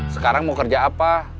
sekarang mau kerja apa